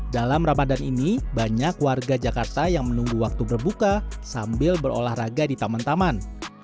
dalam ramadan ini banyak warga jakarta yang menunggu waktu berbuka sambil berolahraga di taman taman